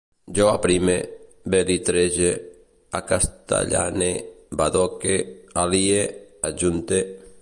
Jo aprime, belitrege, acastellane, badoque, alie, adjunte